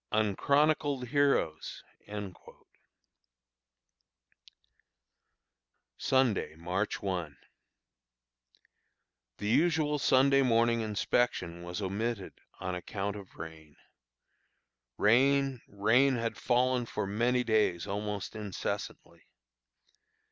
"UNCHRONICLED HEROES." Sunday, March 1. The usual Sunday morning inspection was omitted on account of rain. Rain, rain had fallen for many days almost incessantly.